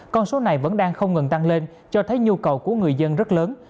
con số này vẫn đang không ngừng tăng lên cho thấy nhu cầu của người dân rất lớn